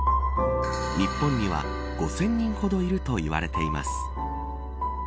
日本には５０００人ほどいると言われています。